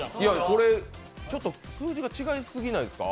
これ、ちょっと数字が違いすぎないですか？